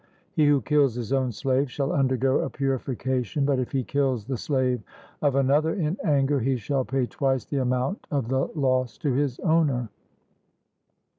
He who kills his own slave shall undergo a purification, but if he kills the slave of another in anger, he shall pay twice the amount of the loss to his owner.